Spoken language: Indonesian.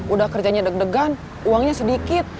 udah kerjanya deg degan uangnya sedikit